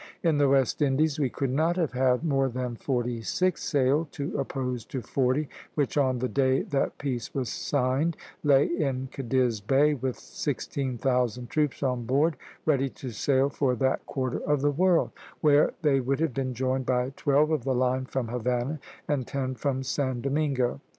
In the West Indies we could not have had more than forty six sail to oppose to forty, which on the day that peace was signed lay in Cadiz Bay, with sixteen thousand troops on board, ready to sail for that quarter of the world, where they would have been joined by twelve of the line from Havana and ten from San Domingo....